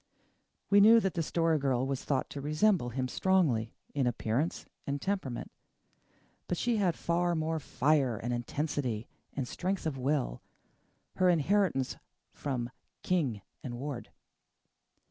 We knew that the Story Girl was thought to resemble him strongly in appearance and temperament, but she had far more fire and intensity and strength of will her inheritance from King and Ward.